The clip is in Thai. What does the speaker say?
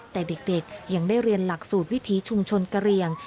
แต่เด็กยังได้เรียนหลักสูตรวิถีชุมชนกะเรียง